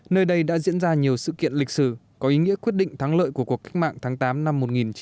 nơi đây đã diễn ra nhiều sự kiện lịch sử có ý nghĩa quyết định thắng lợi của cuộc cách mạng tháng tám năm một nghìn chín trăm bốn mươi năm